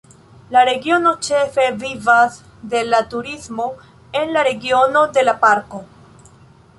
La regiono ĉefe vivas de la turismo en la regiono de la parko.